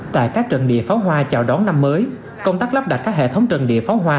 tại các trận địa pháo hoa chào đón năm mới công tác lắp đặt các hệ thống trận địa pháo hoa